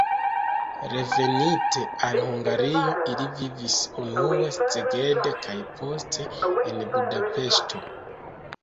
Reveninte al Hungario, ili vivis unue en Szeged kaj poste en Budapeŝto.